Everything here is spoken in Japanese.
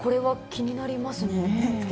気になりますよね。